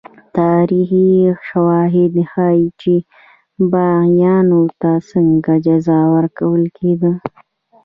تاریخي شواهد ښيي چې باغیانو ته څنګه جزا ورکول کېده.